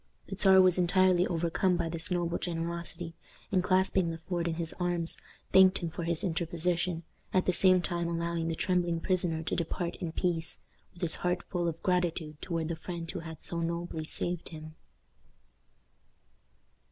The Czar was entirely overcome by this noble generosity, and, clasping Le Fort in his arms, thanked him for his interposition, at the same time allowing the trembling prisoner to depart in peace, with his heart full of gratitude toward the friend who had so nobly saved him.